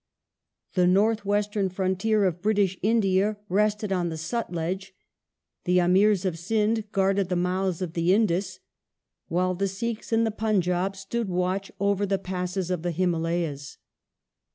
The North Western frontier of British India rested on the Sutlej ; the Amirs of Sind guai'ded the mouths of the Indus, while the Sikhs in the Punjab stood watch over the passes of the Himalayas.